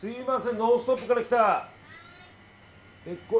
「ノンストップ！」から来たペッコリ